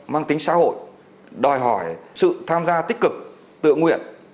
mang tính xã hội đòi hỏi sự tham gia tích cực tự nguyện